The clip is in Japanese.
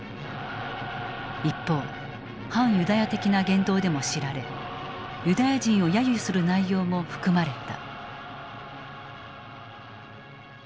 一方反ユダヤ的な言動でも知られユダヤ人を揶揄する内容も含まれた。